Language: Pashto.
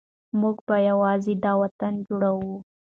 موږ به یو ځای دا وطن جوړوو.